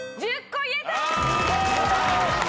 １０個言えた。